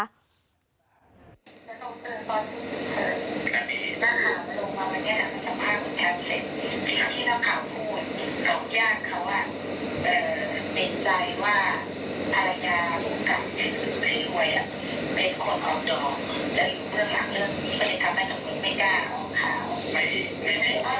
ตามไปจงก็ไม่ได้สุขข้าว